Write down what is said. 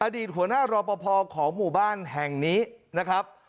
อดีตขวาน่ารอปพของหมู่บ้านแห่งนี้นะครับ